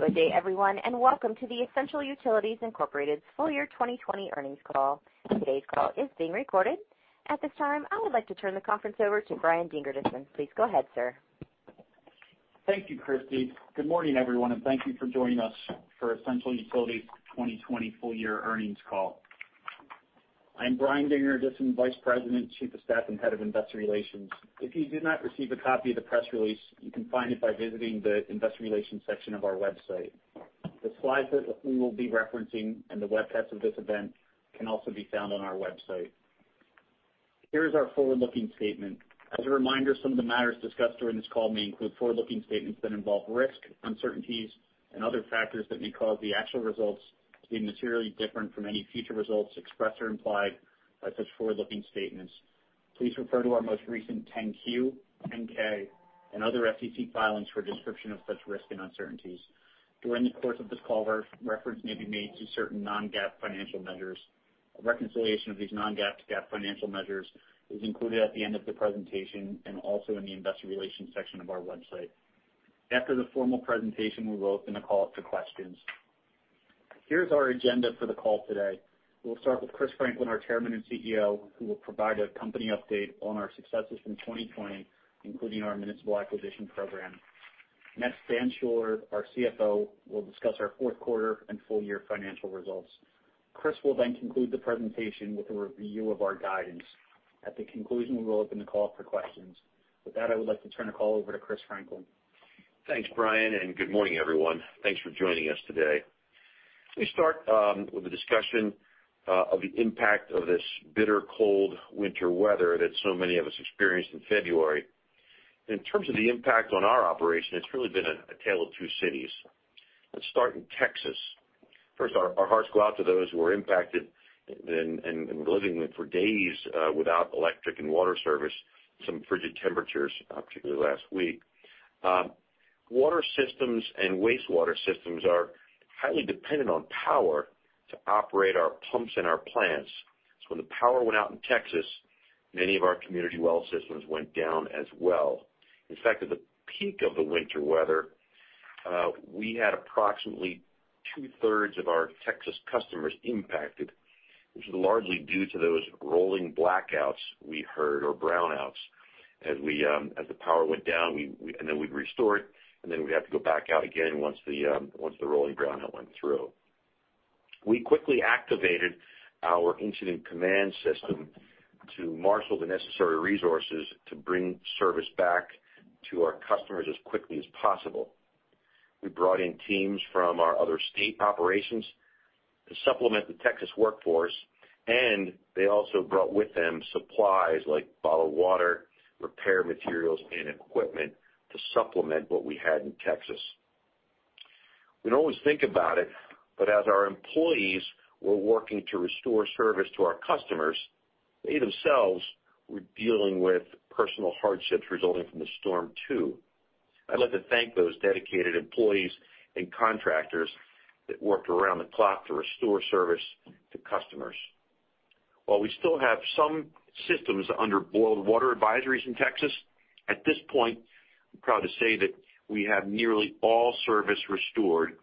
Good day, everyone, and welcome to the Essential Utilities, Inc. full year 2020 earnings call. Today's call is being recorded. At this time, I would like to turn the conference over to Brian Dingerdissen. Please go ahead, sir. Thank you, Christy. Good morning, everyone, thank you for joining us for Essential Utilities 2020 full year earnings call. I'm Brian Dingerdissen, Vice President, Chief of Staff, and Head of Investor Relations. If you did not receive a copy of the press release, you can find it by visiting the investor relations section of our website. The slides that we will be referencing and the webcast of this event can also be found on our website. Here is our forward-looking statement. As a reminder, some of the matters discussed during this call may include forward-looking statements that involve risks, uncertainties, and other factors that may cause the actual results to be materially different from any future results expressed or implied by such forward-looking statements. Please refer to our most recent 10-Q, 10-K, and other SEC filings for a description of such risks and uncertainties. During the course of this call, reference may be made to certain non-GAAP financial measures. A reconciliation of these non-GAAP to GAAP financial measures is included at the end of the presentation and also in the investor relations section of our website. After the formal presentation, we will open the call up to questions. Here's our agenda for the call today. We'll start with Christopher Franklin, our chairman and CEO, who will provide a company update on our successes in 2020, including our municipal acquisition program. Dan Schuller, our CFO, will discuss our fourth quarter and full year financial results. Chris will conclude the presentation with a review of our guidance. At the conclusion, we will open the call up for questions. With that, I would like to turn the call over to Christopher Franklin. Thanks, Brian. Good morning, everyone. Thanks for joining us today. Let me start with a discussion of the impact of this bitter cold winter weather that so many of us experienced in February. In terms of the impact on our operation, it's really been a tale of two cities. Let's start in Texas. First, our hearts go out to those who were impacted and were living for days without electric and water service, some frigid temperatures, particularly last week. Water systems and wastewater systems are highly dependent on power to operate our pumps and our plants. When the power went out in Texas, many of our community well systems went down as well. In fact, at the peak of the winter weather, we had approximately two-thirds of our Texas customers impacted, which was largely due to those rolling blackouts we heard or brownouts. As the power went down and then we'd restore it, and then we'd have to go back out again once the rolling brownout went through. We quickly activated our incident command system to marshal the necessary resources to bring service back to our customers as quickly as possible. We brought in teams from our other state operations to supplement the Texas workforce, and they also brought with them supplies like bottled water, repair materials, and equipment to supplement what we had in Texas. We don't always think about it, but as our employees were working to restore service to our customers, they themselves were dealing with personal hardships resulting from the storm, too. I'd like to thank those dedicated employees and contractors that worked around the clock to restore service to customers. While we still have some systems under boiled water advisories in Texas, at this point, I'm proud to say that we have nearly all service restored,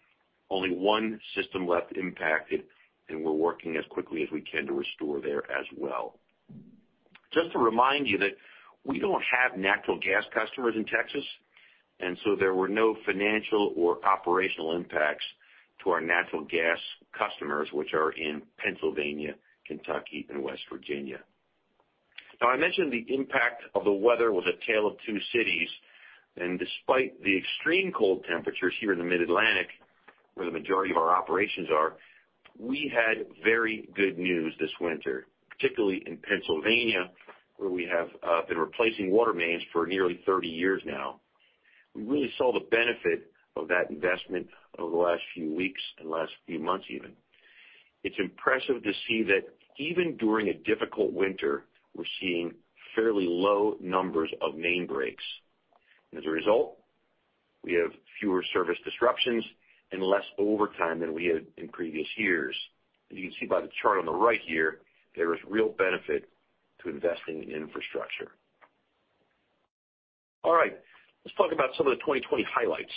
only one system left impacted, and we're working as quickly as we can to restore there as well. Just to remind you that we don't have natural gas customers in Texas, and so there were no financial or operational impacts to our natural gas customers, which are in Pennsylvania, Kentucky, and West Virginia. I mentioned the impact of the weather was a tale of two cities, and despite the extreme cold temperatures here in the Mid-Atlantic, where the majority of our operations are, we had very good news this winter, particularly in Pennsylvania, where we have been replacing water mains for nearly 30 years now. We really saw the benefit of that investment over the last few weeks and last few months even. It's impressive to see that even during a difficult winter, we're seeing fairly low numbers of main breaks. As a result, we have fewer service disruptions and less overtime than we had in previous years. As you can see by the chart on the right here, there is real benefit to investing in infrastructure. All right. Let's talk about some of the 2020 highlights.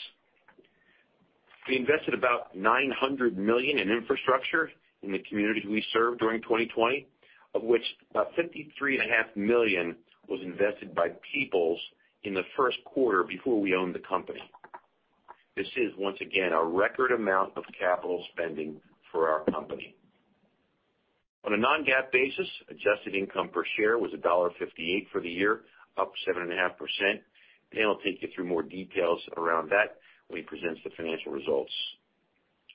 We invested about $900 million in infrastructure in the communities we serve during 2020, of which about $53.5 million was invested by Peoples in the first quarter before we owned the company. This is, once again, a record amount of capital spending for our company. On a non-GAAP basis, adjusted income per share was $1.58 for the year, up 7.5%, and Dan will take you through more details around that when he presents the financial results.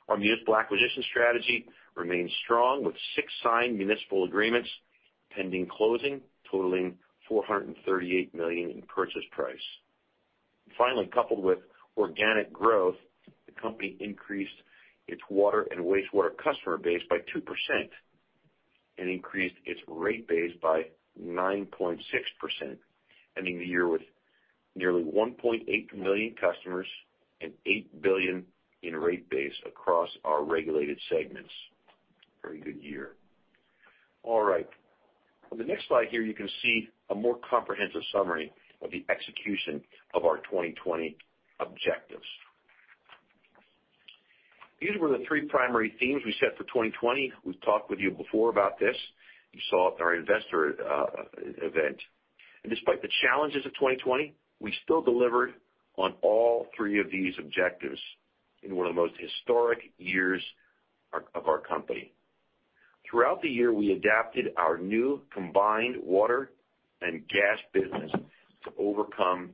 Our municipal acquisition strategy remains strong with six signed municipal agreements pending closing, totaling $438 million in purchase price. Coupled with organic growth, the company increased its water and wastewater customer base by 2% and increased its rate base by 9.6%, ending the year with nearly 1.8 million customers and $8 billion in rate base across our regulated segments. Very good year. On the next slide here, you can see a more comprehensive summary of the execution of our 2020 objectives. These were the three primary themes we set for 2020. We've talked with you before about this. You saw it in our investor event. Despite the challenges of 2020, we still delivered on all three of these objectives in one of the most historic years of our company. Throughout the year, we adapted our new combined water and gas business to overcome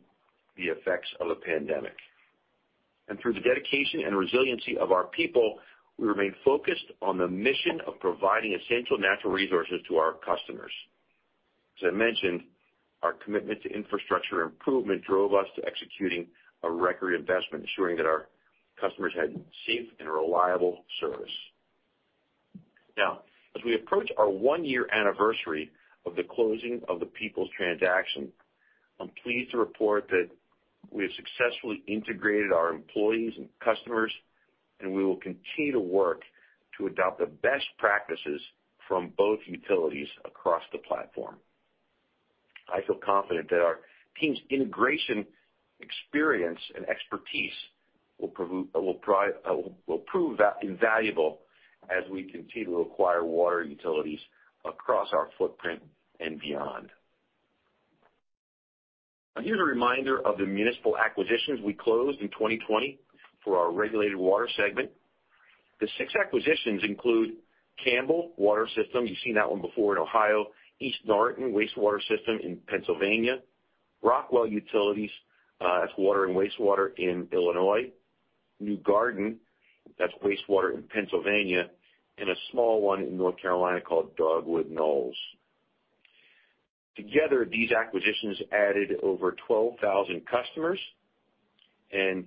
the effects of the pandemic. Through the dedication and resiliency of our people, we remain focused on the mission of providing essential natural resources to our customers. As I mentioned, our commitment to infrastructure improvement drove us to executing a record investment, ensuring that our customers had safe and reliable service. Now, as we approach our one-year anniversary of the closing of the Peoples transaction, I'm pleased to report that we have successfully integrated our employees and customers, and we will continue to work to adopt the best practices from both utilities across the platform. I feel confident that our team's integration experience and expertise will prove invaluable as we continue to acquire water utilities across our footprint and beyond. Now here's a reminder of the municipal acquisitions we closed in 2020 for our regulated water segment. The six acquisitions include Campbell Water System, you've seen that one before in Ohio, East Norriton Wastewater System in Pennsylvania, Rockwell Utilities, that's water and wastewater in Illinois, New Garden, that's wastewater in Pennsylvania, and a small one in North Carolina called Dogwood Knolls. Together, these acquisitions added over 12,000 customers and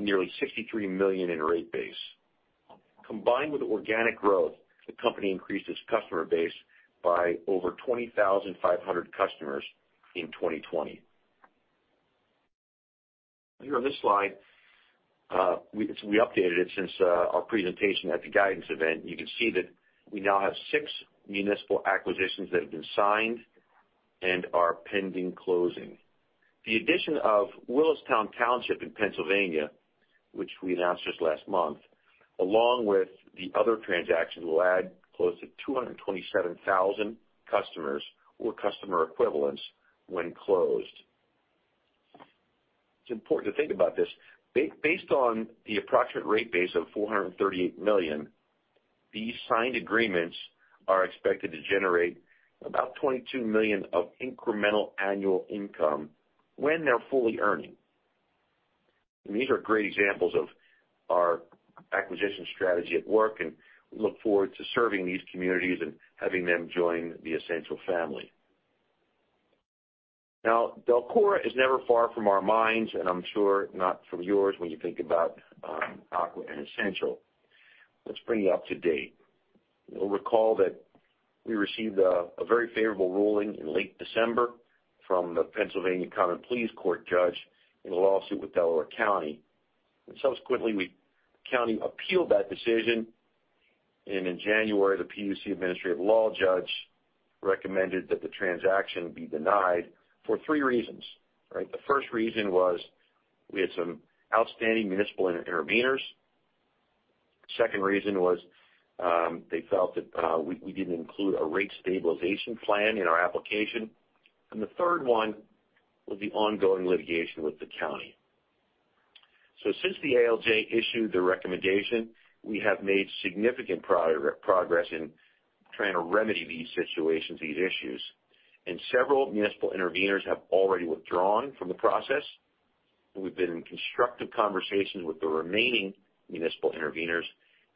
nearly $63 million in rate base. Combined with organic growth, the company increased its customer base by over 20,500 customers in 2020. Here on this slide, we updated it since our presentation at the guidance event. You can see that we now have six municipal acquisitions that have been signed and are pending closing. The addition of Willistown Township in Pennsylvania, which we announced just last month, along with the other transactions, will add close to 227,000 customers or customer equivalents when closed. It's important to think about this. Based on the approximate rate base of $438 million, these signed agreements are expected to generate about $22 million of incremental annual income when they're fully earning. These are great examples of our acquisition strategy at work, and we look forward to serving these communities and having them join the Essential family. DELCORA is never far from our minds, and I'm sure not from yours when you think about Aqua and Essential. Let's bring you up to date. You'll recall that we received a very favorable ruling in late December from the Pennsylvania Common Pleas Court judge in a lawsuit with Delaware County. Subsequently, the county appealed that decision, and in January, the PUC administrative law judge recommended that the transaction be denied for three reasons, right? The first reason was we had some outstanding municipal intervenors. The second reason was they felt that we didn't include a rate stabilization plan in our application. The third one was the ongoing litigation with the county. Since the ALJ issued the recommendation, we have made significant progress in trying to remedy these situations, these issues. Several municipal intervenors have already withdrawn from the process. We've been in constructive conversations with the remaining municipal intervenors,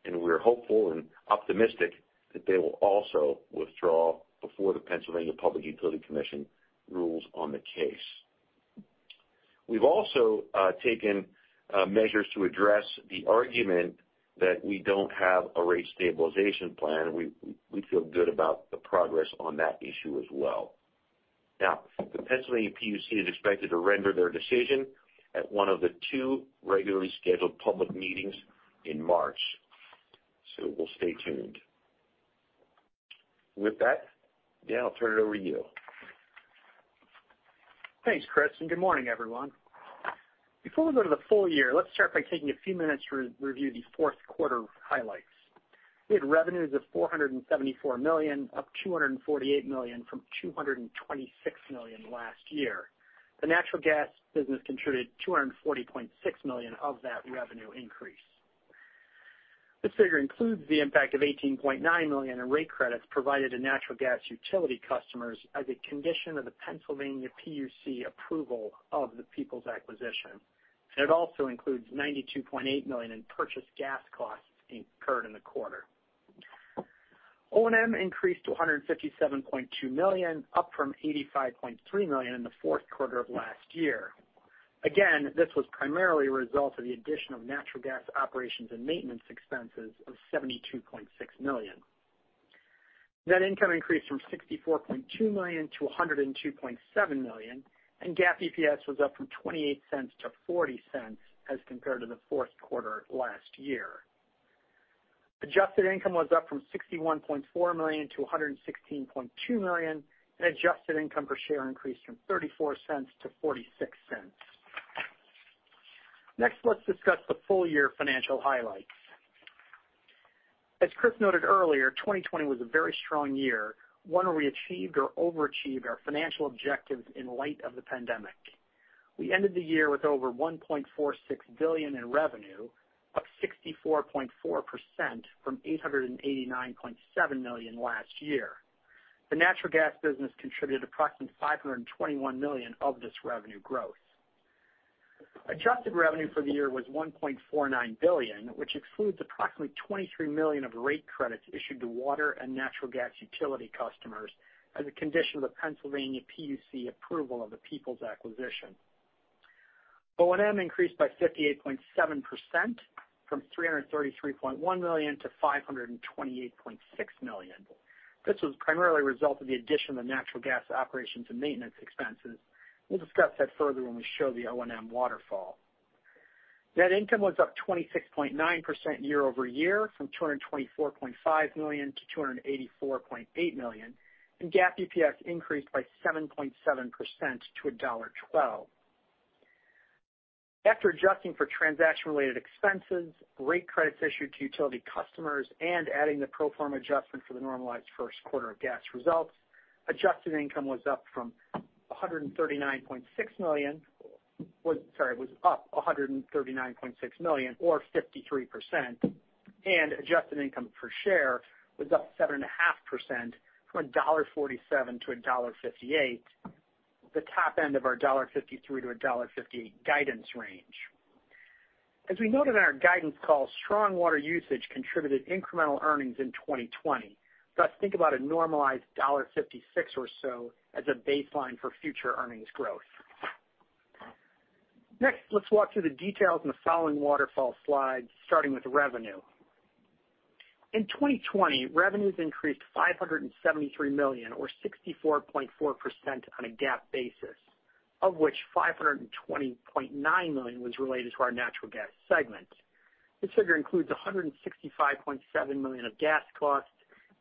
and we're hopeful and optimistic that they will also withdraw before the Pennsylvania Public Utility Commission rules on the case. We've also taken measures to address the argument that we don't have a rate stabilization plan. We feel good about the progress on that issue as well. The Pennsylvania PUC is expected to render their decision at one of the two regularly scheduled public meetings in March. We'll stay tuned. With that, Dan, I'll turn it over to you. Thanks, Chris, and good morning, everyone. Before we go to the full year, let's start by taking a few minutes to review the fourth quarter highlights. We had revenues of $474 million, up $248 million from $226 million last year. The natural gas business contributed $240.6 million of that revenue increase. This figure includes the impact of $18.9 million in rate credits provided to natural gas utility customers as a condition of the Pennsylvania PUC approval of the Peoples acquisition. It also includes $92.8 million in purchased gas costs incurred in the quarter. O&M increased to $157.2 million, up from $85.3 million in the fourth quarter of last year. Again, this was primarily a result of the addition of natural gas operations and maintenance expenses of $72.6 million. Net income increased from $64.2 million = $102.7 million, and GAAP EPS was up from $0.28 - $0.40 as compared to the fourth quarter last year. Adjusted income was up from $61.4 million - $116.2 million, and adjusted income per share increased from $0.34 - $0.46. Let's discuss the full year financial highlights. As Chris noted earlier, 2020 was a very strong year, one where we achieved or overachieved our financial objectives in light of the pandemic. We ended the year with over $1.46 billion in revenue, up 64.4% from $889.7 million last year. The natural gas business contributed approximately $521 million of this revenue growth. Adjusted revenue for the year was $1.49 billion, which excludes approximately $23 million of rate credits issued to water and natural gas utility customers as a condition of the Pennsylvania PUC approval of the Peoples acquisition. O&M increased by 58.7%, from $333.1 million to $528.6 million. This was primarily a result of the addition of the natural gas operations and maintenance expenses. We'll discuss that further when we show the O&M waterfall. Net income was up 26.9% year-over-year from $224.5 million to $284.8 million. GAAP EPS increased by 7.7% to $1.12. After adjusting for transaction-related expenses, rate credits issued to utility customers, and adding the pro forma adjustment for the normalized first quarter of gas results, adjusted income was up $139.6 million, or 53%, and adjusted income per share was up 7.5% from $1.47 to $1.58, the top end of our $1.53-$1.58 guidance range. As we noted in our guidance call, strong water usage contributed incremental earnings in 2020. Thus, think about a normalized $1.56 or so as a baseline for future earnings growth. Next, let's walk through the details in the following waterfall slides, starting with revenue. In 2020, revenues increased $573 million, or 64.4%, on a GAAP basis, of which $520.9 million was related to our natural gas segment. This figure includes $165.7 million of gas costs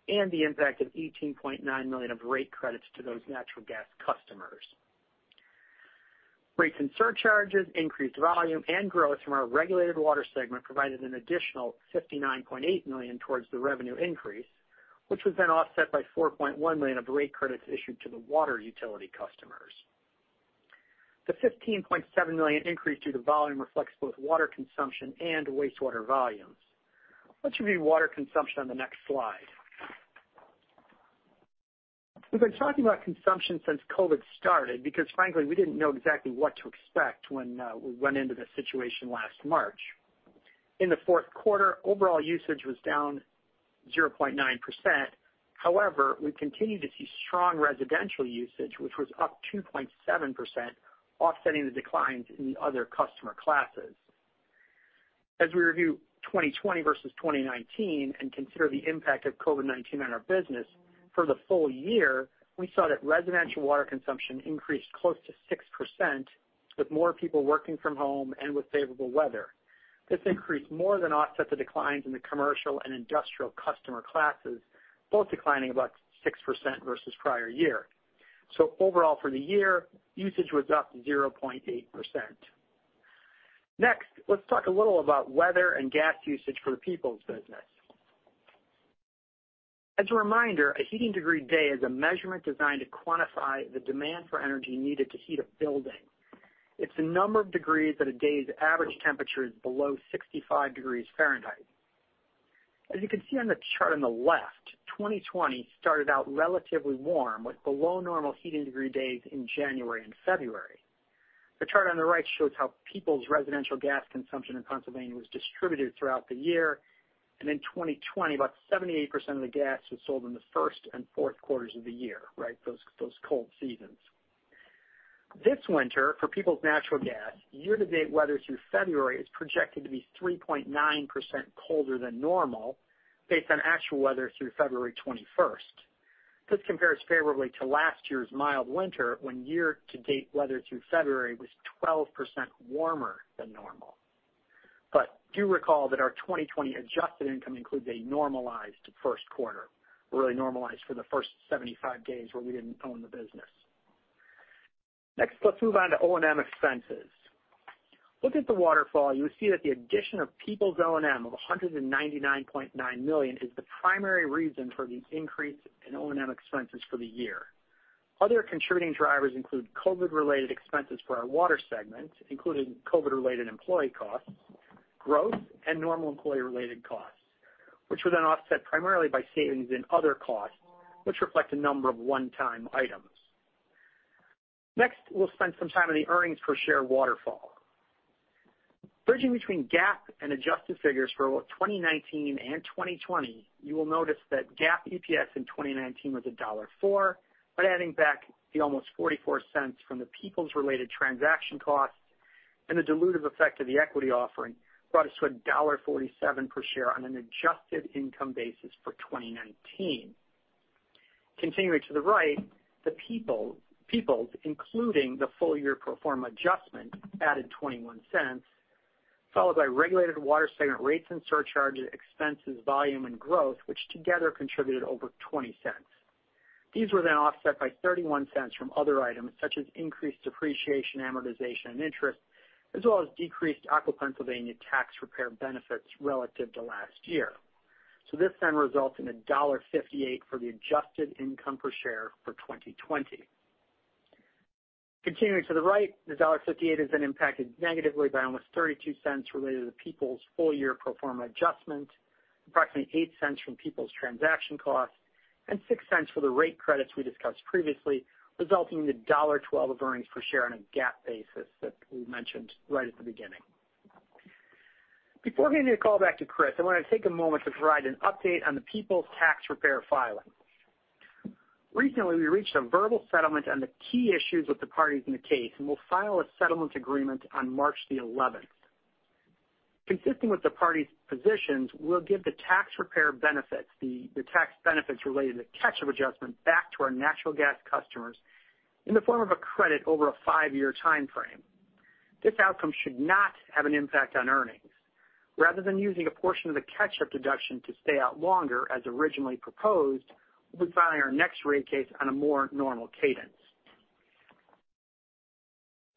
and the impact of $18.9 million of rate credits to those natural gas customers. Rates and surcharges, increased volume, and growth from our regulated water segment provided an additional $59.8 million towards the revenue increase, which was then offset by $4.1 million of rate credits issued to the water utility customers. The $15.7 million increase due to volume reflects both water consumption and wastewater volumes. Let's review water consumption on the next slide. We've been talking about consumption since COVID started because frankly, we didn't know exactly what to expect when we went into this situation last March. In the fourth quarter, overall usage was down 0.9%. However, we continue to see strong residential usage, which was up 2.7%, offsetting the declines in the other customer classes. As we review 2020 versus 2019 and consider the impact of COVID-19 on our business, for the full year, we saw that residential water consumption increased close to 6% with more people working from home and with favorable weather. This increase more than offset the declines in the commercial and industrial customer classes, both declining about 6% versus prior year. Overall for the year, usage was up 0.8%. Next, let's talk a little about weather and gas usage for Peoples business. As a reminder, a heating degree day is a measurement designed to quantify the demand for energy needed to heat a building. It's the number of degrees that a day's average temperature is below 65 degrees Fahrenheit. As you can see on the chart on the left, 2020 started out relatively warm with below normal heating degree days in January and February. The chart on the right shows how Peoples' residential gas consumption in Pennsylvania was distributed throughout the year, and in 2020, about 78% of the gas was sold in the first and fourth quarters of the year, those cold seasons. This winter, for Peoples Natural Gas, year-to-date weather through February is projected to be 3.9% colder than normal based on actual weather through February 21st. This compares favorably to last year's mild winter, when year-to-date weather through February was 12% warmer than normal. Do recall that our 2020 adjusted income includes a normalized first quarter. Really normalized for the first 75 days where we didn't own the business. Next, let's move on to O&M expenses. Looking at the waterfall, you will see that the addition of Peoples O&M of $199.9 million is the primary reason for the increase in O&M expenses for the year. Other contributing drivers include COVID-related expenses for our water segment, including COVID-related employee costs, growth, and normal employee-related costs, which were then offset primarily by savings in other costs, which reflect a number of one-time items. We'll spend some time on the earnings per share waterfall. Bridging between GAAP and adjusted figures for both 2019 and 2020, you will notice that GAAP EPS in 2019 was $1.04, but adding back the almost $0.44 from the Peoples-related transaction costs and the dilutive effect of the equity offering brought us to $1.47 per share on an adjusted income basis for 2019. Continuing to the right, the Peoples, including the full-year pro forma adjustment, added $0.21, followed by Regulated Water segment rates and surcharges, expenses, volume and growth, which together contributed over $0.20. These were then offset by $0.31 from other items, such as increased depreciation, amortization, and interest, as well as decreased Aqua Pennsylvania tax repair benefits relative to last year. This then results in $1.58 for the adjusted income per share for 2020. Continuing to the right, the $1.58 is then impacted negatively by $0.32 related to Peoples' full-year pro forma adjustment, $0.08 from Peoples' transaction cost, and $0.06 for the rate credits we discussed previously, resulting in the $1.12 of earnings per share on a GAAP basis that we mentioned right at the beginning. Before handing the call back to Chris, I want to take a moment to provide an update on the Peoples tax repair filing. Recently, we reached a verbal settlement on the key issues with the parties in the case, and we'll file a settlement agreement on March the 11th. Consistent with the parties' positions, we'll give the tax repair benefits, the tax benefits related to the catch-up adjustment, back to our natural gas customers in the form of a credit over a five-year timeframe. This outcome should not have an impact on earnings. Rather than using a portion of the catch-up deduction to stay out longer as originally proposed, we'll be filing our next rate case on a more normal cadence.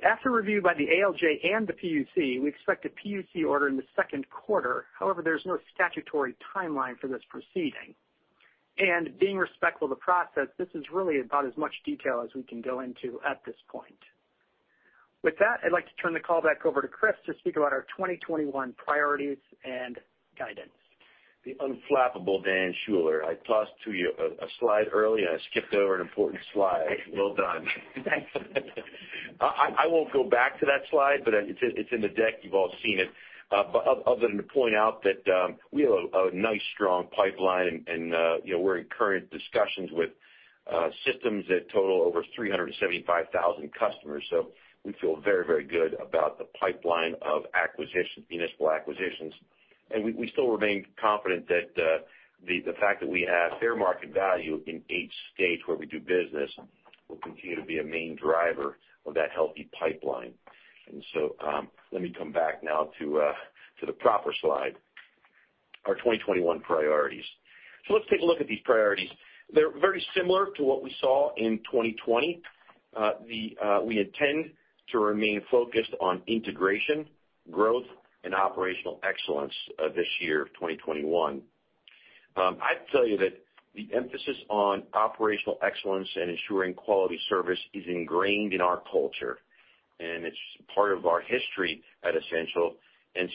After review by the ALJ and the PUC, we expect a PUC order in the second quarter. However, there's no statutory timeline for this proceeding. Being respectful of the process, this is really about as much detail as we can go into at this point. With that, I'd like to turn the call back over to Chris to speak about our 2021 priorities and guidance. The unflappable Daniel Schuller. I tossed to you a slide early, and I skipped over an important slide. Well done. Thanks. I won't go back to that slide, but it's in the deck. You've all seen it. Other than to point out that we have a nice, strong pipeline, and we're in current discussions with systems that total over 375,000 customers. We feel very good about the pipeline of municipal acquisitions. We still remain confident that the fact that we have fair market value in each state where we do business will continue to be a main driver of that healthy pipeline. Let me come back now to the proper slide, our 2021 priorities. Let's take a look at these priorities. They're very similar to what we saw in 2020. We intend to remain focused on integration, growth, and operational excellence this year of 2021. I'd tell you that the emphasis on operational excellence and ensuring quality service is ingrained in our culture, and it's part of our history at Essential Utilities.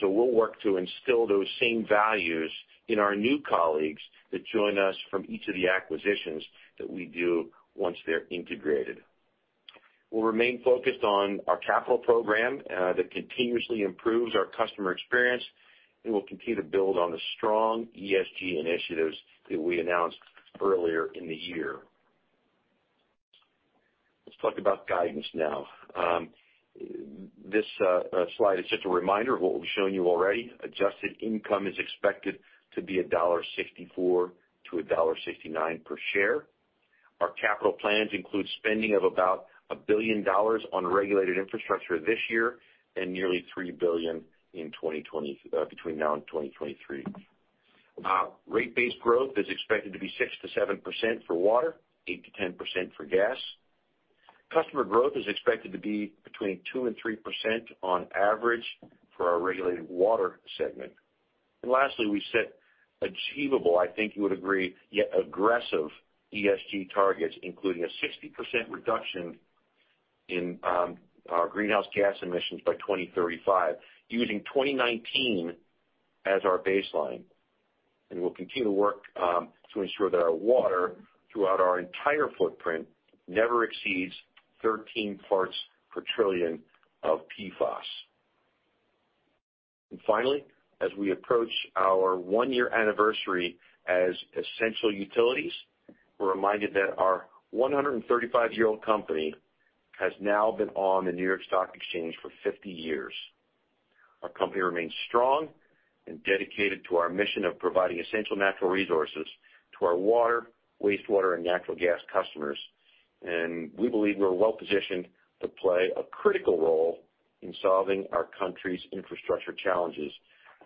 We'll work to instill those same values in our new colleagues that join us from each of the acquisitions that we do once they're integrated. We'll remain focused on our capital program that continuously improves our customer experience, and we'll continue to build on the strong ESG initiatives that we announced earlier in the year. Let's talk about guidance now. This slide is just a reminder of what we've shown you already. Adjusted income is expected to be $1.64 - $1.69 per share. Our capital plans include spending of about $1 billion on regulated infrastructure this year and nearly $3 billion between now and 2023. Rate base growth is expected to be 6%-7% for water, 8%-10% for gas. Customer growth is expected to be between 2% and 3% on average for our regulated water segment. Lastly, we set achievable, I think you would agree, yet aggressive ESG targets, including a 60% reduction in our greenhouse gas emissions by 2035, using 2019 as our baseline. We'll continue to work to ensure that our water throughout our entire footprint never exceeds 13 parts per trillion of PFOS. Finally, as we approach our one-year anniversary as Essential Utilities, we're reminded that our 135-year-old company has now been on the New York Stock Exchange for 50 years. Our company remains strong and dedicated to our mission of providing essential natural resources to our water, wastewater, and natural gas customers. We believe we're well-positioned to play a critical role in solving our country's infrastructure challenges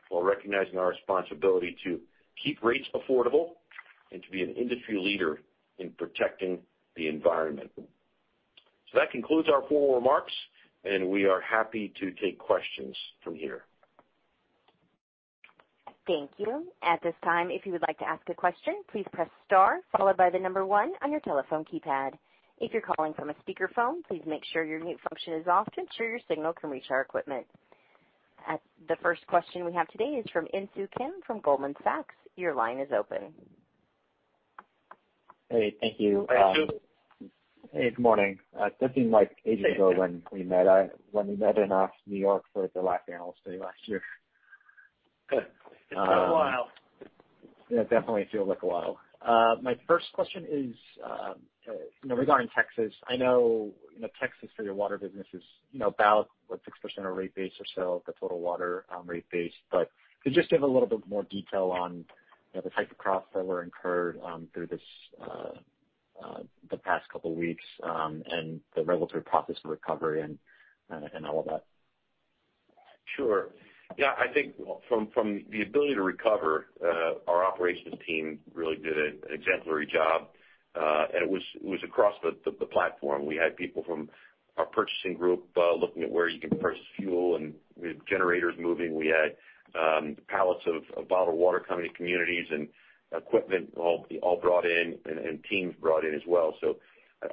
while recognizing our responsibility to keep rates affordable and to be an industry leader in protecting the environment. That concludes our formal remarks, and we are happy to take questions from here. Thank you. At this time, if you would like to ask a question, please press star followed by the number 1 on your telephone keypad. If you're calling from a speakerphone, please make sure your mute function is off to ensure your signal can reach our equipment. The first question we have today is from Insoo Kim from Goldman Sachs. Your line is open. Hey, thank you. Hey, Insoo. Hey, good morning. Doesn't seem like ages ago when we met in New York for the last analyst day last year. Good. It's been a while. Yeah, definitely feels like a while. My first question is regarding Texas, I know Texas for your water business is about 6% of rate base or so of the total water rate base. Could you just give a little bit more detail on the type of costs that were incurred through the past couple of weeks, and the regulatory process of recovery and all of that? Sure. Yeah, I think from the ability to recover, our operations team really did an exemplary job. It was across the platform. We had people from our purchasing group looking at where you can purchase fuel and with generators moving. We had pallets of bottled water coming to communities and equipment all brought in and teams brought in as well.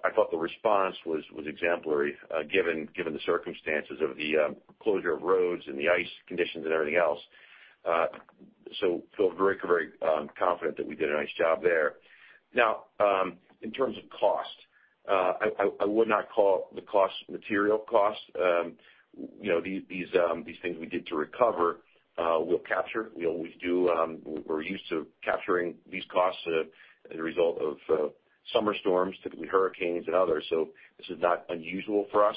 I thought the response was exemplary given the circumstances of the closure of roads and the ice conditions and everything else. Feel very confident that we did a nice job there. Now, in terms of cost, I would not call the cost material cost. These things we did to recover, we'll capture. We're used to capturing these costs as a result of summer storms, typically hurricanes and others. This is not unusual for us.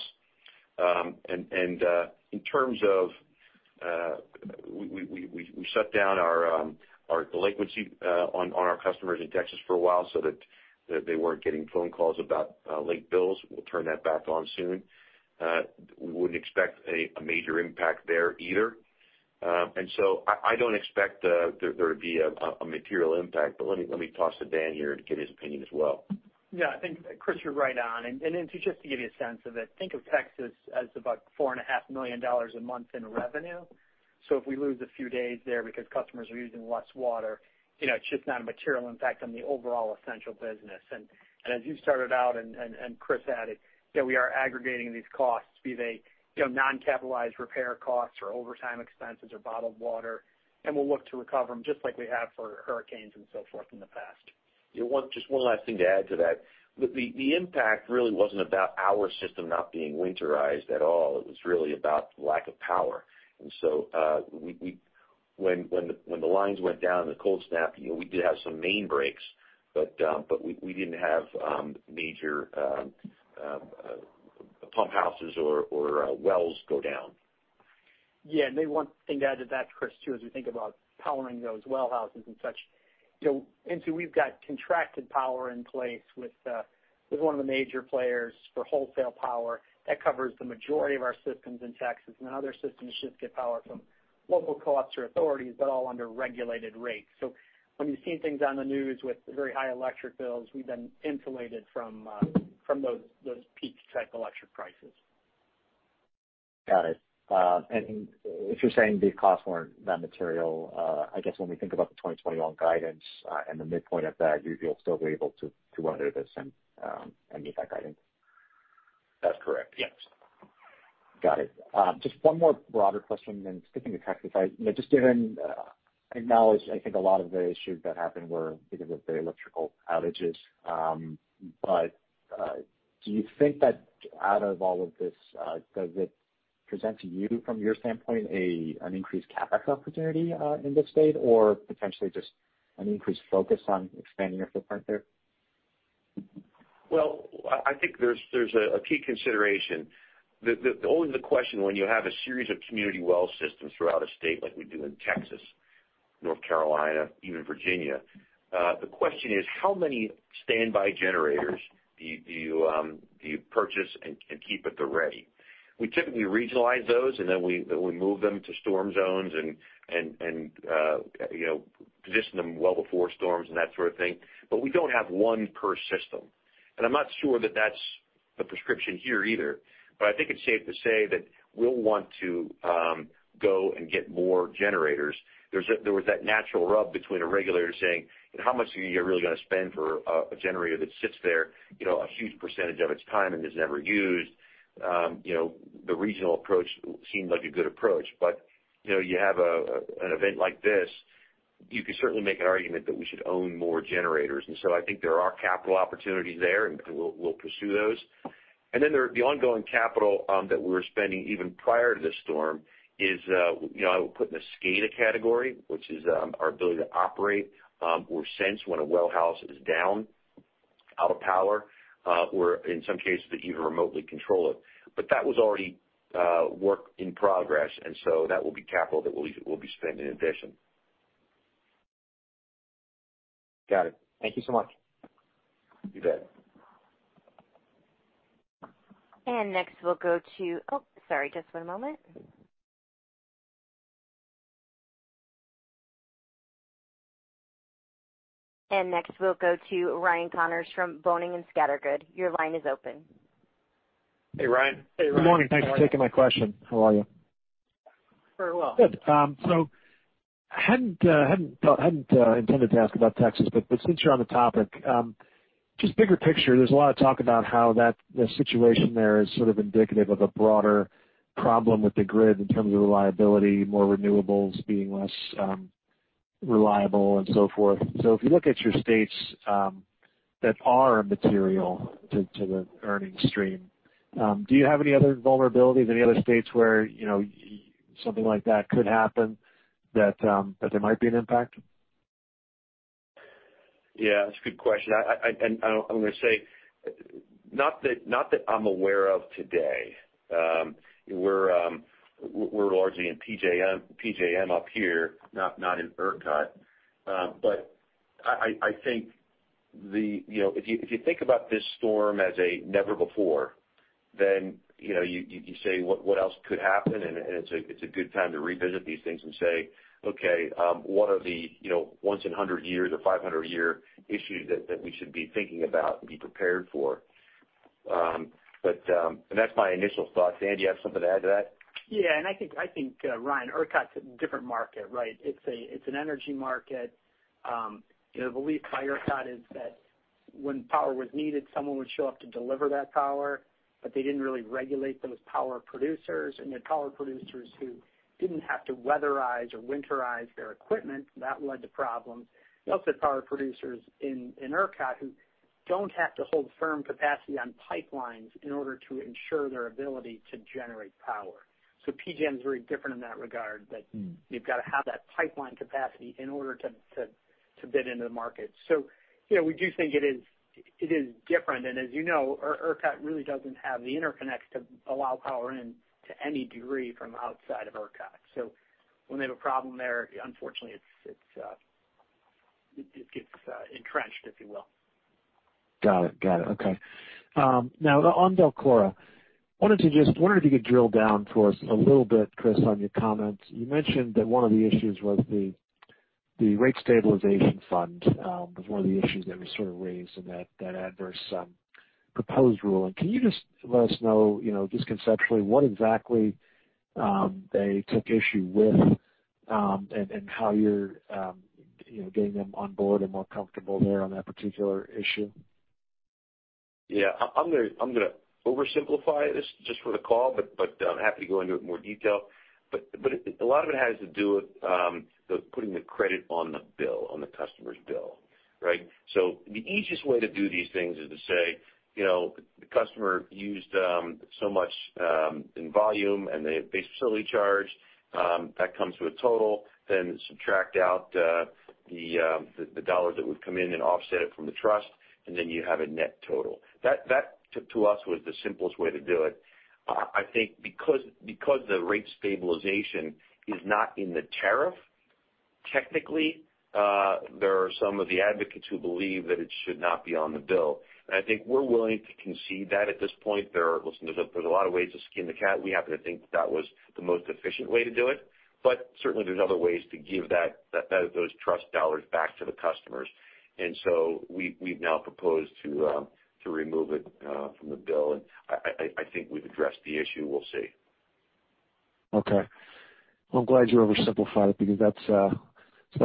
We shut down our delinquency on our customers in Texas for a while so that they weren't getting phone calls about late bills. We'll turn that back on soon. We wouldn't expect a major impact there either. I don't expect there to be a material impact, but let me toss to Dan here to get his opinion as well. Yeah, I think, Chris, you're right on. Then just to give you a sense of it, think of Texas as about $4.5 million a month in revenue. If we lose a few days there because customers are using less water, it's just not a material impact on the overall Essential business. As you started out and Chris added, we are aggregating these costs, be they non-capitalized repair costs or overtime expenses or bottled water, and we'll look to recover them just like we have for hurricanes and so forth in the past. Just one last thing to add to that. The impact really wasn't about our system not being winterized at all. It was really about lack of power. When the lines went down in the cold snap, we did have some main breaks, but we didn't have major pump houses or wells go down. Yeah. Maybe one thing to add to that, Chris, too, as we think about powering those well houses and such, we've got contracted power in place with one of the major players for wholesale power. That covers the majority of our systems in Texas, and other systems just get power from local co-ops or authorities, but all under regulated rates. When you're seeing things on the news with very high electric bills, we've been insulated from those peak-type electric prices. Got it. If you're saying these costs weren't that material, I guess when we think about the 2021 guidance and the midpoint of that, you'll still be able to under this and meet that guidance? That's correct. Yes. Got it. Just one more broader question then skipping to Texas. I acknowledge, I think a lot of the issues that happened were because of the electrical outages. Do you think that out of all of this, does it present to you from your standpoint an increased CapEx opportunity in this state or potentially just an increased focus on expanding your footprint there? Well, I think there's a key consideration. Always the question when you have a series of community well systems throughout a state like we do in Texas, North Carolina, even Virginia, the question is how many standby generators do you purchase and keep at the ready? We typically regionalize those, and then we move them to storm zones and position them well before storms and that sort of thing. We don't have one per system. I'm not sure that that's the prescription here either. I think it's safe to say that we'll want to go and get more generators. There was that natural rub between a regulator saying, "How much are you really going to spend for a generator that sits there a huge percentage of its time and is never used?" The regional approach seemed like a good approach. You have an event like this, you can certainly make an argument that we should own more generators. I think there are capital opportunities there, and we'll pursue those. The ongoing capital that we were spending even prior to this storm is, I would put in the SCADA category, which is our ability to operate or sense when a well house is down, out of power, or in some cases, even remotely control it. That was already work in progress, and so that will be capital that we'll be spending in addition. Got it. Thank you so much. You bet. Oh, sorry, just one moment. Next we'll go to Ryan Connors from Boenning & Scattergood. Your line is open. Hey, Ryan. Hey, Ryan. Good morning. Thanks for taking my question. How are you? Very well. Good. I hadn't intended to ask about Texas, but since you're on the topic, just bigger picture, there's a lot of talk about how the situation there is sort of indicative of a broader problem with the grid in terms of reliability, more renewables being less reliable and so forth. If you look at your states that are material to the earnings stream, do you have any other vulnerabilities, any other states where something like that could happen that there might be an impact? Yeah, that's a good question. I'm going to say, not that I'm aware of today. We're largely in PJM up here, not in ERCOT. I think if you think about this storm as a never before, then you say what else could happen? It's a good time to revisit these things and say, okay, what are the once in 100 years or 500-year issues that we should be thinking about and be prepared for? That's my initial thoughts. Dan, do you have something to add to that? Yeah. I think, Ryan, ERCOT's a different market, right? It's an energy market. The belief by ERCOT is that when power was needed, someone would show up to deliver that power, but they didn't really regulate those power producers, and they had power producers who didn't have to weatherize or winterize their equipment. That led to problems. It also had power producers in ERCOT who don't have to hold firm capacity on pipelines in order to ensure their ability to generate power. PJM is very different in that regard, that you've got to have that pipeline capacity in order to bid into the market. We do think it is different. As you know, ERCOT really doesn't have the interconnects to allow power in to any degree from outside of ERCOT. When they have a problem there, unfortunately, it gets entrenched, if you will. Got it. Okay. On DELCORA, I wondered if you could drill down for us a little bit, Chris, on your comments. You mentioned that one of the issues was the rate stabilization plan, was one of the issues that was sort of raised in that adverse proposed rule. Can you just let us know, just conceptually, what exactly they took issue with, and how you're getting them on board and more comfortable there on that particular issue? Yeah. I'm going to oversimplify this just for the call, but I'm happy to go into it in more detail. A lot of it has to do with putting the credit on the bill, on the customer's bill, right? The easiest way to do these things is to say, the customer used so much in volume, and the base facility charge, that comes to a total, then subtract out the dollars that would come in and offset it from the trust, and then you have a net total. That to us was the simplest way to do it. I think because the rate stabilization is not in the tariff, technically, there are some of the advocates who believe that it should not be on the bill. I think we're willing to concede that at this point. Listen, there's a lot of ways to skin the cat. We happen to think that was the most efficient way to do it. Certainly, there's other ways to give those trust dollars back to the customers. We've now proposed to remove it from the bill, and I think we've addressed the issue. We'll see. Okay. Well, I'm glad you oversimplified it because that's about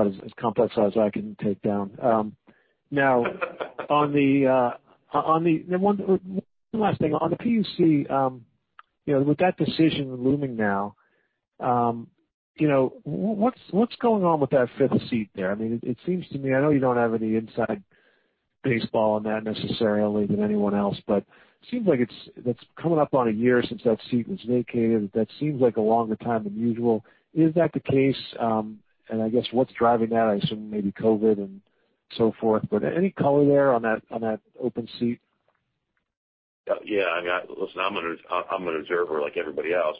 as complex as I can take down. One last thing. On the PUC, with that decision looming now, what's going on with that fifth seat there? I know you don't have any inside baseball on that necessarily than anyone else, it seems like it's coming up on a year since that seat was vacated. That seems like a longer time than usual. Is that the case? I guess what's driving that? I assume maybe COVID and so forth, any color there on that open seat? Yeah. Listen, I'm an observer like everybody else,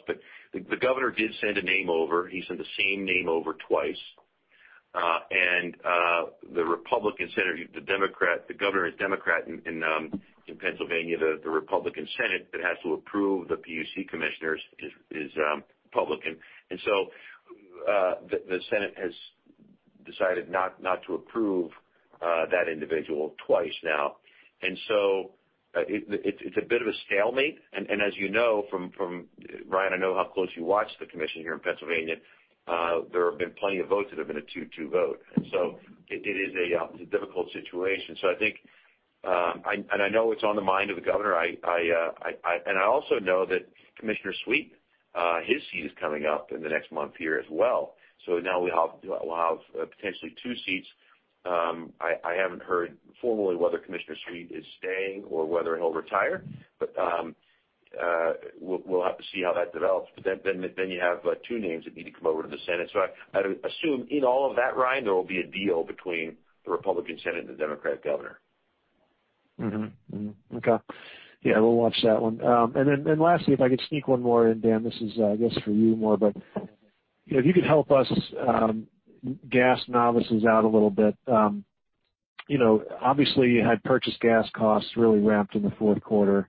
the governor did send a name over. He sent the same name over twice. The Republican Senate, the governor is Democrat in Pennsylvania. The Republican Senate that has to approve the PUC commissioners is Republican. The Senate has decided not to approve that individual twice now. It's a bit of a stalemate. As you know, Ryan, I know how close you watch the commission here in Pennsylvania. There have been plenty of votes that have been a two-two vote. It is a difficult situation. I think, and I know it's on the mind of the governor, and I also know that Commissioner Sweet, his seat is coming up in the next month here as well. Now we'll have potentially two seats. I haven't heard formally whether Commissioner Sweet is staying or whether he'll retire. We'll have to see how that develops. Then you have two names that need to come over to the Senate. I assume in all of that, Ryan, there will be a deal between the Republican Senate and the Democratic governor. Okay. Yeah, we'll watch that one. Lastly, if I could sneak one more in. Dan, this is I guess for you more, but if you could help us gas novices out a little bit. Obviously, you had purchased gas costs really ramped in the fourth quarter.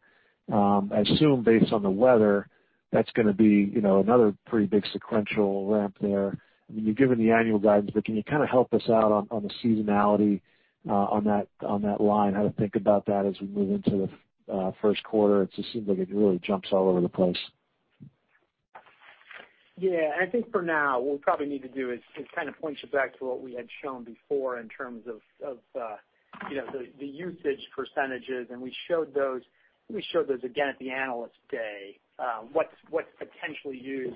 I assume based on the weather, that's going to be another pretty big sequential ramp there. You've given the annual guidance, but can you kind of help us out on the seasonality on that line, how to think about that as we move into the first quarter? It just seems like it really jumps all over the place. Yeah. I think for now, what we'll probably need to do is kind of point you back to what we had shown before in terms of the usage percentage. We showed those again at the Analyst Day. What's potentially used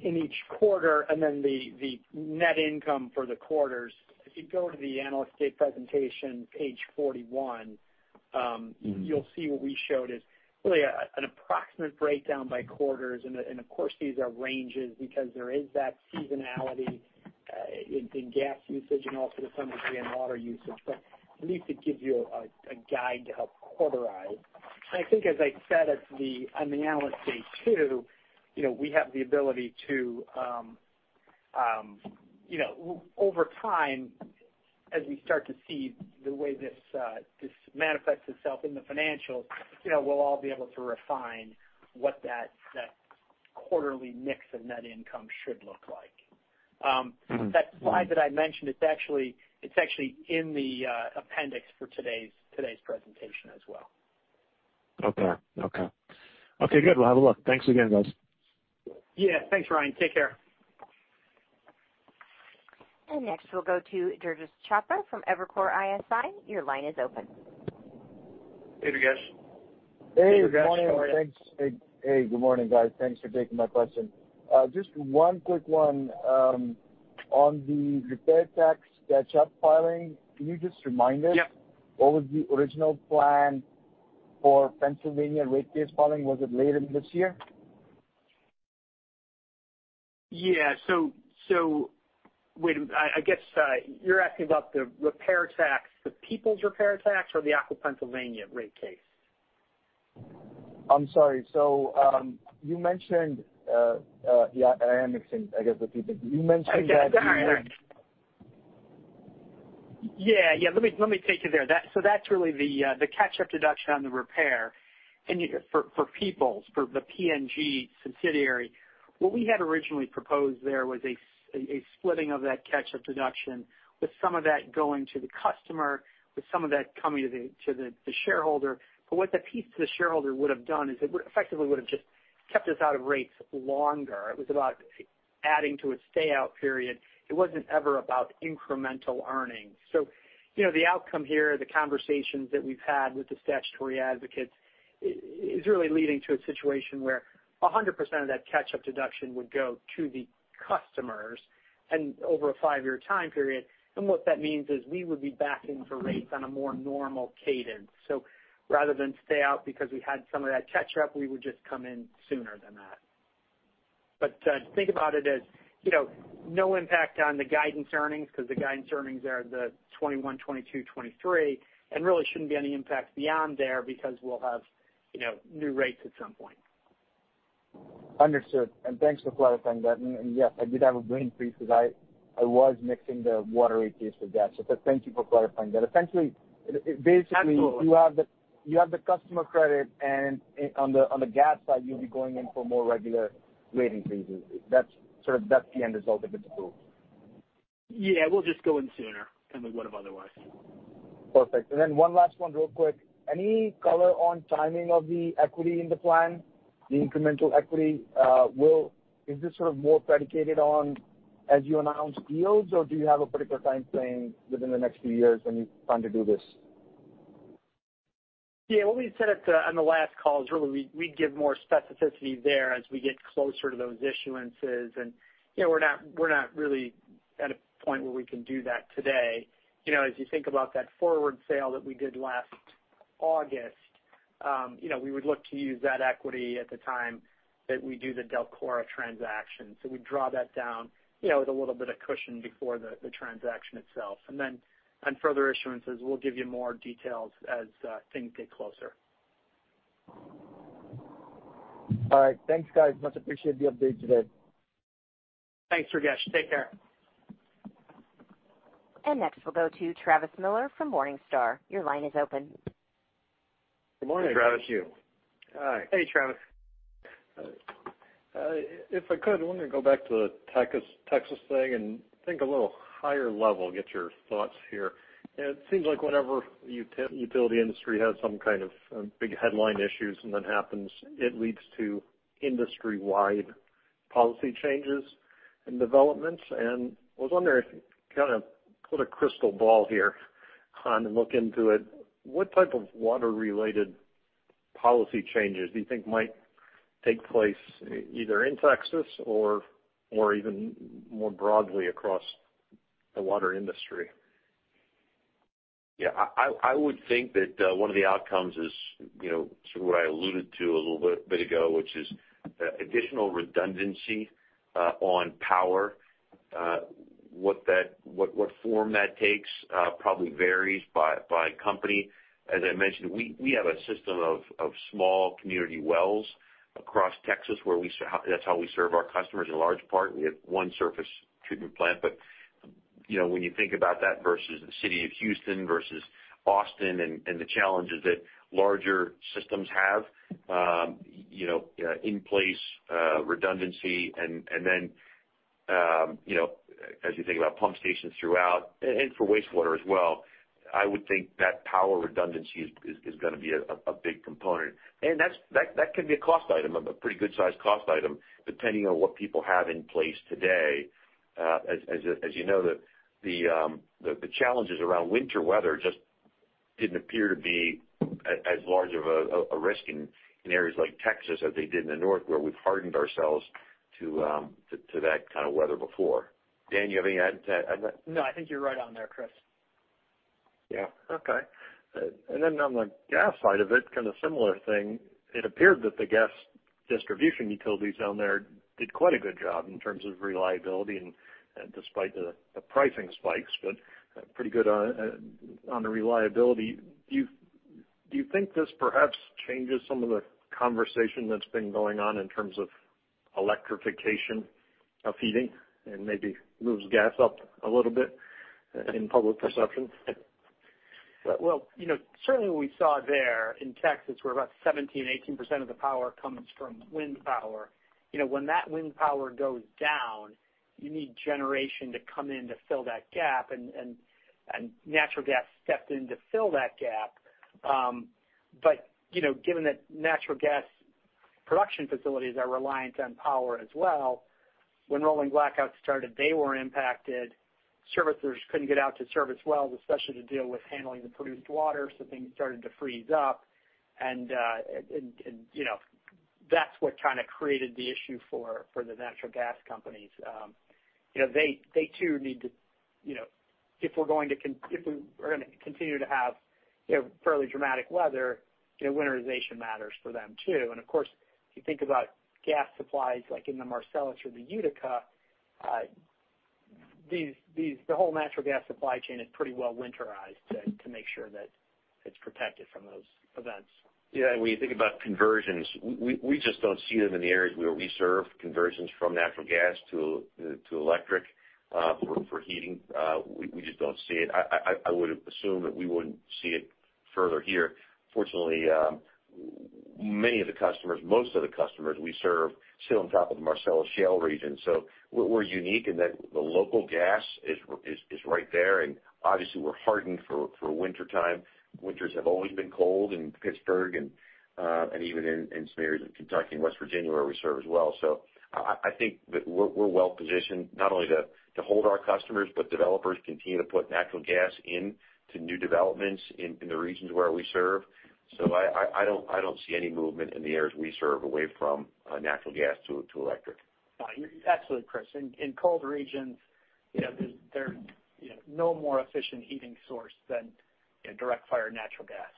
in each quarter, and then the net income for the quarters. If you go to the Analyst Day presentation, page 41, you'll see what we showed is really an approximate breakdown by quarters. Of course, these are ranges because there is that seasonality in gas usage and also to some degree in water usage. At least it gives you a guide to help quarterize. I think, as I said on the analyst day too, we have the ability over time, as we start to see the way this manifests itself in the financials, we'll all be able to refine what that quarterly mix of net income should look like. That slide that I mentioned, it's actually in the appendix for today's presentation as well. Okay. Okay, good. We'll have a look. Thanks again, guys. Yeah. Thanks, Ryan. Take care. Next, we'll go to Durgesh Chopra from Evercore ISI. Your line is open. Hey, Durgesh. Hey, Durgesh. How are you? Hey, good morning, guys. Thanks for taking my question. Just one quick one. On the repair tax catch-up filing, can you just remind us. Yep What was the original plan for Pennsylvania rate case filing? Was it later this year? Yeah. wait, I guess you're asking about the repair tax, the Peoples repair tax or the Aqua Pennsylvania rate case? I'm sorry. You mentioned, yeah, I am mixing, I guess the two. That's all right. Yeah. Let me take you there. That's really the catch-up deduction on the repair for Peoples, for the PNG subsidiary. What we had originally proposed there was a splitting of that catch-up deduction, with some of that going to the customer, with some of that coming to the shareholder. What the piece to the shareholder would've done is it effectively would've just kept us out of rates longer. It was about adding to a stay-out period. It wasn't ever about incremental earnings. The outcome here, the conversations that we've had with the statutory advocates, is really leading to a situation where 100% of that catch-up deduction would go to the customers and over a five-year time period. What that means is we would be back into rates on a more normal cadence. Rather than stay out because we had some of that catch up, we would just come in sooner than that. Think about it as no impact on the guidance earnings because the guidance earnings are the 2021, 2022, 2023, and really shouldn't be any impact beyond there because we'll have new rates at some point. Understood, thanks for clarifying that. Yes, I did have a brain freeze because I was mixing the water rate case with that. Thank you for clarifying that. Absolutely you have the customer credit, and on the gas side, you'll be going in for more regular rating fees. That's the end result, if it's approved. Yeah, we'll just go in sooner than we would've otherwise. Perfect. One last one real quick. Any color on timing of the equity in the plan, the incremental equity? Is this sort of more predicated on as you announce deals, or do you have a particular time frame within the next few years when you plan to do this? Yeah. What we said on the last call is really, we'd give more specificity there as we get closer to those issuances. We're not really at a point where we can do that today. As you think about that forward sale that we did last August, we would look to use that equity at the time that we do the DELCORA transaction. We draw that down with a little bit of cushion before the transaction itself. Then on further issuances, we'll give you more details as things get closer. All right. Thanks, guys. Much appreciate the update today. Thanks, Durgesh. Take care. Next, we'll go to Travis Miller from Morningstar. Your line is open. Good morning, Travis. Travis, Hugh. Hi. Hey, Travis. If I could, I wanted to go back to the Texas thing and think a little higher level, get your thoughts here. It seems like whenever the utility industry has some kind of big headline issues and that happens, it leads to industry-wide policy changes and developments. I was wondering, kind of put a crystal ball here on and look into it, what type of water-related policy changes do you think might take place, either in Texas or even more broadly across the water industry? Yeah. I would think that one of the outcomes is sort of what I alluded to a little bit ago, which is additional redundancy on power. What form that takes probably varies by company. As I mentioned, we have a system of small community wells across Texas. That's how we serve our customers in large part. We have one surface treatment plant. When you think about that versus the City of Houston versus Austin and the challenges that larger systems have in place, redundancy, and then as you think about pump stations throughout, and for wastewater as well, I would think that power redundancy is going to be a big component. That can be a cost item, a pretty good-sized cost item, depending on what people have in place today. As you know, the challenges around winter weather just didn't appear to be as large of a risk in areas like Texas as they did in the north, where we've hardened ourselves to that kind of weather before. Dan, you have any add to that? No, I think you're right on there, Chris. Yeah. Okay. On the gas side of it, kind of similar thing, it appeared that the gas distribution utilities down there did quite a good job in terms of reliability and despite the pricing spikes, but pretty good on the reliability. Do you think this perhaps changes some of the conversation that's been going on in terms of electrification of heating and maybe moves gas up a little bit in public perception? Well, certainly what we saw there in Texas, where about 17, 18% of the power comes from wind power. When that wind power goes down, you need generation to come in to fill that gap, and natural gas stepped in to fill that gap. Given that natural gas production facilities are reliant on power as well, when rolling blackouts started, they were impacted. Servicers couldn't get out to service wells, especially to deal with handling the produced water, so things started to freeze up, and that's what kind of created the issue for the natural gas companies. If we're going to continue to have fairly dramatic weather, winterization matters for them, too. Of course, if you think about gas supplies like in the Marcellus or the Utica, the whole natural gas supply chain is pretty well winterized to make sure that it's protected from those events. When you think about conversions, we just don't see them in the areas where we serve, conversions from natural gas to electric for heating. We just don't see it. I would assume that we wouldn't see it further here. Fortunately, most of the customers we serve sit on top of the Marcellus Shale region, so we're unique in that the local gas is right there, and obviously we're hardened for wintertime. Winters have always been cold in Pittsburgh and even in some areas of Kentucky and West Virginia, where we serve as well. I think that we're well-positioned not only to hold our customers, but developers continue to put natural gas into new developments in the regions where we serve. I don't see any movement in the areas we serve away from natural gas to electric. No, you're absolutely, Chris. In colder regions, there's no more efficient heating source than direct fire natural gas.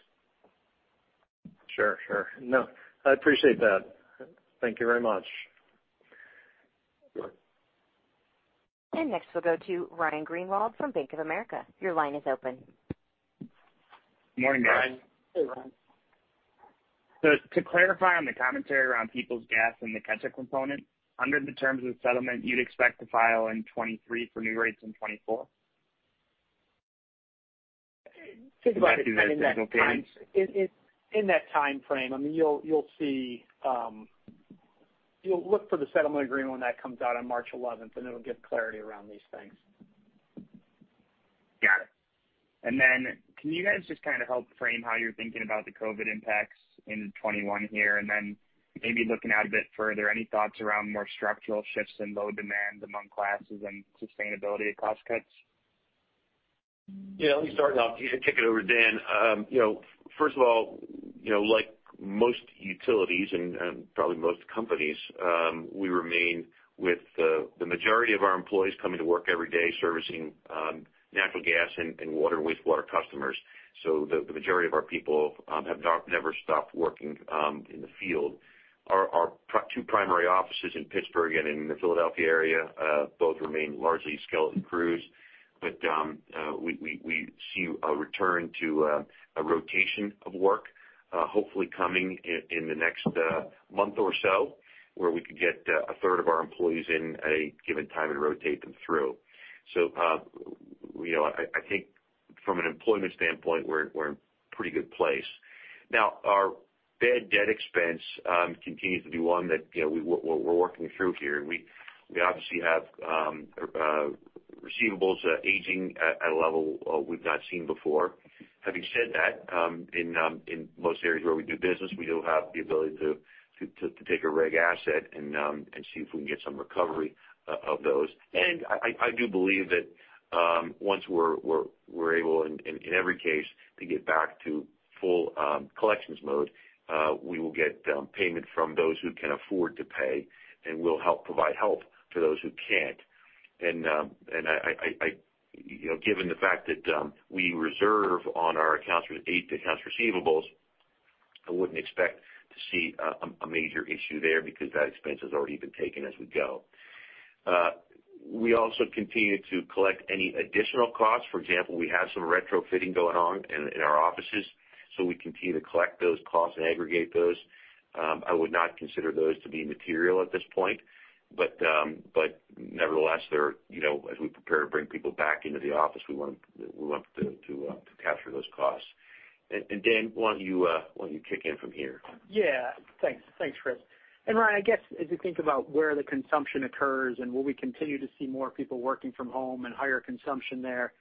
Sure. No, I appreciate that. Thank you very much. Next we'll go to Ryan Greenwald from Bank of America. Your line is open. Morning, guys. Hey, Ryan. To clarify on the commentary around Peoples Gas and the catch-up component, under the terms of the settlement, you'd expect to file in 2023 for new rates in 2024? Think about it in that time. In that timeframe. Look for the settlement agreement when that comes out on March 11th, and it'll give clarity around these things. Got it. Can you guys just kind of help frame how you're thinking about the COVID impacts in 2021 here, and then maybe looking out a bit further, any thoughts around more structural shifts in load demands among classes and sustainability of cost cuts? Yeah, let me start off, kick it over to Dan. First of all, like most utilities and probably most companies, we remain with the majority of our employees coming to work every day servicing natural gas and water and wastewater customers. The majority of our people have never stopped working in the field. Our two primary offices in Pittsburgh and in the Philadelphia area both remain largely skeleton crews. We see a return to a rotation of work hopefully coming in the next month or so, where we could get a third of our employees in a given time and rotate them through. I think from an employment standpoint, we're in a pretty good place. Our bad debt expense continues to be one that we're working through here, and we obviously have receivables aging at a level we've not seen before. Having said that, in most areas where we do business, we do have the ability to take a regulatory asset and see if we can get some recovery of those. I do believe that once we're able in every case to get back to full collections mode, we will get payment from those who can afford to pay, and we'll help provide help to those who can't. Given the fact that we reserve on our accounts receivable, I wouldn't expect to see a major issue there because that expense has already been taken as we go. We also continue to collect any additional costs. For example, we have some retrofitting going on in our offices, so we continue to collect those costs and aggregate those. I would not consider those to be material at this point, but nevertheless, as we prepare to bring people back into the office, we want to capture those costs. Dan, why don't you kick in from here? Yeah. Thanks, Chris. Ryan, I guess as you think about where the consumption occurs and will we continue to see more people working from home and higher consumption there,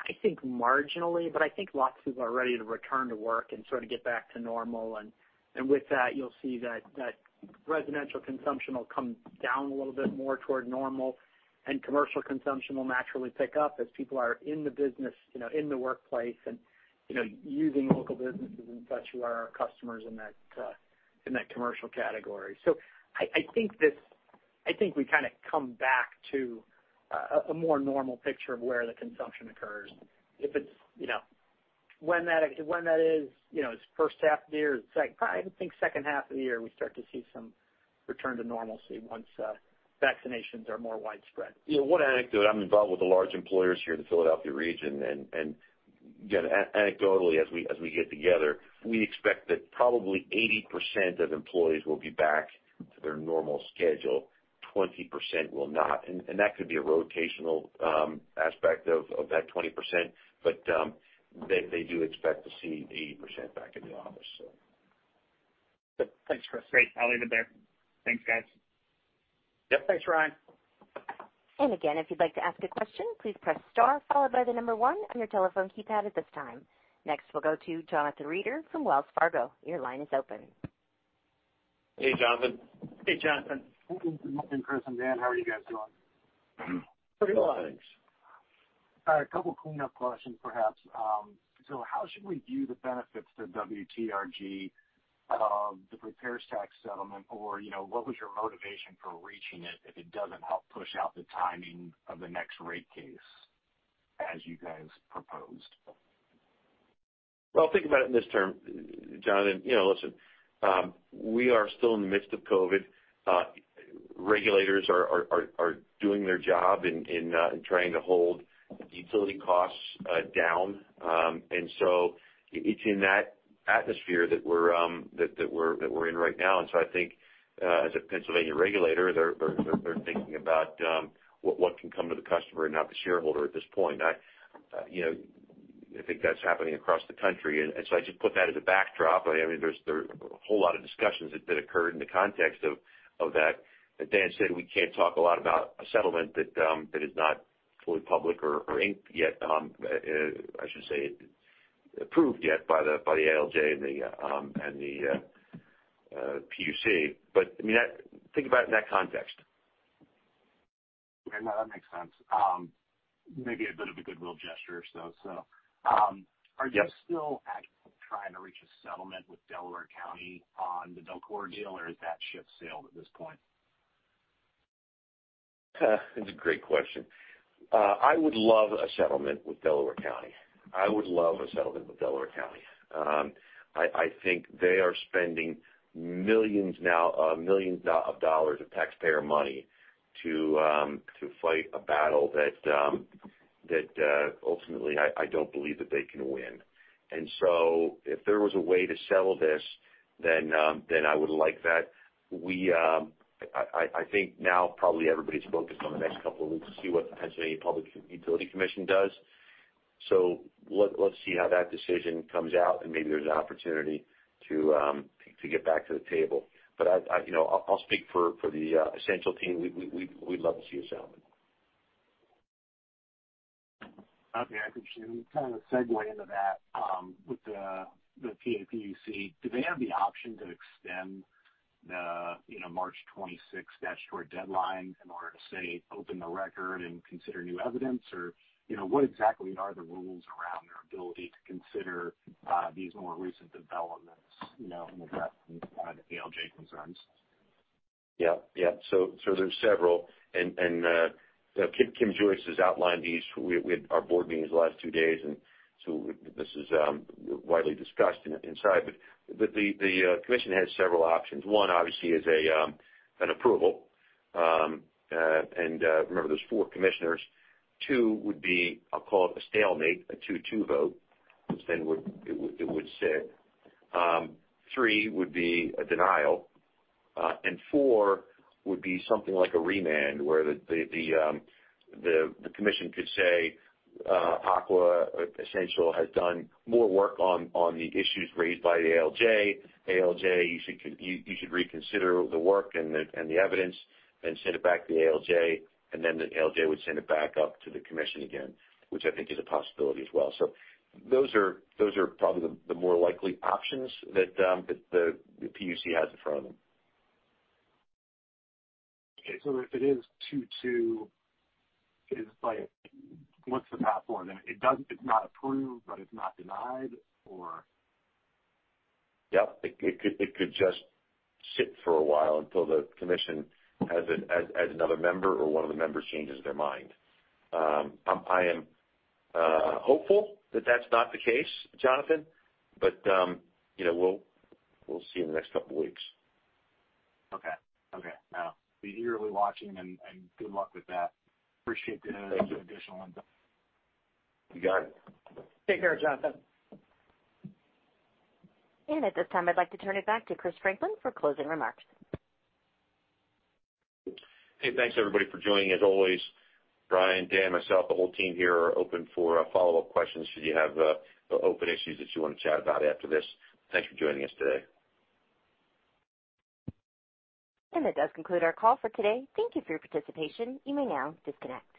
I think marginally, but I think lots of people are ready to return to work and sort of get back to normal, and with that, you'll see that residential consumption will come down a little bit more toward normal, and commercial consumption will naturally pick up as people are in the business, in the workplace, and using local businesses and such who are our customers in that commercial category. I think we kind of come back to a more normal picture of where the consumption occurs. When that is, it's first half of the year, I think second half of the year, we start to see some return to normalcy once vaccinations are more widespread. Yeah. One anecdote, I'm involved with the large employers here in the Philadelphia region, and again, anecdotally, as we get together, we expect that probably 80% of employees will be back to their normal schedule, 20% will not. That could be a rotational aspect of that 20%, but they do expect to see 80% back in the office. Thanks, Chris. Great. I'll leave it there. Thanks, guys. Yep. Thanks, Ryan. Again, if you'd like to ask a question, please Press Star followed by the number one on your telephone keypad at this time. Next, we'll go to Jonathan Reeder from Wells Fargo. Your line is open. Hey, Jonathan. Hey, Jonathan. Good morning, Chris and Dan. How are you guys doing? Pretty well, thanks. A couple clean-up questions, perhaps. How should we view the benefits to WTRG of the repairs tax settlement or, what was your motivation for reaching it if it doesn't help push out the timing of the next rate case as you guys proposed? Well, think about it in this term, Jonathan. Listen, we are still in the midst of COVID. Regulators are doing their job in trying to hold utility costs down. It's in that atmosphere that we're in right now. I think, as a Pennsylvania regulator, they're thinking about what can come to the customer and not the shareholder at this point. I think that's happening across the country. I just put that as a backdrop. There are a whole lot of discussions that occurred in the context of that. As Dan said, we can't talk a lot about a settlement that is not fully public or inked yet, I should say, approved yet by the ALJ and the PUC. Think about it in that context. Yeah, no, that makes sense. Maybe a bit of a goodwill gesture or so. Yep. Are you still actively trying to reach a settlement with Delaware County on the DELCORA deal, or has that ship sailed at this point? That's a great question. I would love a settlement with Delaware County. I would love a settlement with Delaware County. I think they are spending millions of dollars of taxpayer money to fight a battle that ultimately I don't believe that they can win. If there was a way to settle this, then I would like that. I think now probably everybody's focused on the next couple of weeks to see what the Pennsylvania Public Utility Commission does. Let's see how that decision comes out, and maybe there's an opportunity to get back to the table. I'll speak for the Essential team. We'd love to see a settlement. Okay. I appreciate it. Kind of segue into that, with the PAPUC, do they have the option to extend the March 26th statutory deadline in order to, say, open the record and consider new evidence? What exactly are the rules around their ability to consider these more recent developments in the breadth of the ALJ concerns? There's several, and Kim Joyce has outlined these with our board meetings the last two days, and so this is widely discussed inside. The commission has several options. One, obviously, is an approval, and remember, there's four commissioners. Two would be, I'll call it a stalemate, a two-two vote, which then it would sit. Three would be a denial. Four would be something like a remand, where the commission could say Aqua Essential has done more work on the issues raised by the ALJ. "ALJ, you should reconsider the work and the evidence," and send it back to the ALJ, and then the ALJ would send it back up to the commission again, which I think is a possibility as well. Those are probably the more likely options that the PUC has in front of them. Okay. If it is 2-2, what's the platform then? It's not approved, but it's not denied, or Yep. It could just sit for a while until the Commission adds another member or one of the members changes their mind. I am hopeful that that's not the case, Jonathan, but we'll see in the next couple of weeks. Okay. I'll be eagerly watching and good luck with that. Appreciate the additional insight. You got it. Take care, Jonathan. At this time, I'd like to turn it back to Christopher Franklin for closing remarks. Thanks, everybody, for joining, as always. Ryan, Dan, myself, the whole team here are open for follow-up questions should you have open issues that you want to chat about after this. Thanks for joining us today. That does conclude our call for today. Thank you for your participation. You may now disconnect.